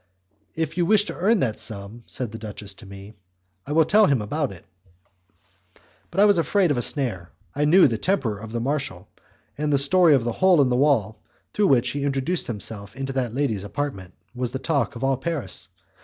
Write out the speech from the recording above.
"If you wish to earn that sum," said the duchess to me, "I will tell him all about it." But I was afraid of a snare; I knew the temper of the marshal, and the story of the hole in the wall through which he introduced himself into that lady's apartment, was the talk of all Paris.